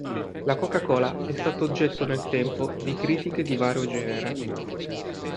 La Coca-Cola è stata oggetto nel tempo di critiche di vario genere.